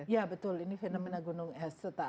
ya betul ini fenomena gunung es seta